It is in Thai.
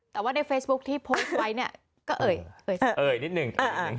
แต่ว่าในเฟซบุ๊คที่โพสไว้เนี่ยก็เอ่ยเอ่ยนิดหนึ่งเอ่ยนิดหนึ่ง